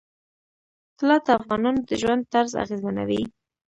طلا د افغانانو د ژوند طرز اغېزمنوي.